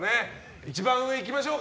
一番上に行きましょう。